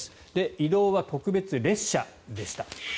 移動は特別列車でした。